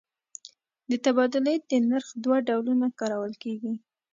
د تبادلې د نرخ دوه ډولونه کارول کېږي.